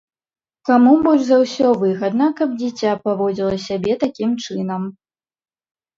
Каму больш за ўсё выгадна, каб дзіця паводзіла сябе такім чынам?